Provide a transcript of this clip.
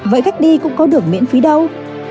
vậy cách đi cũng có được miễn phí đâu